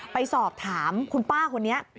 ไปสอบถามคุณป้าคนนี้